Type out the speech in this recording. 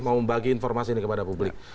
mau membagi informasi ini kepada publik